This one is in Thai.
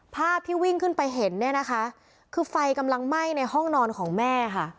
ภาพพี่วิ่งขึ้นไปเห็นคือไฟกำลังไหม้ในห้องนอนของแม่